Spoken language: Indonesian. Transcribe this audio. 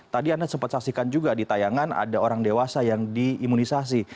tadi anda sempat saksikan juga di tayangan ada orang dewasa yang diimunisasi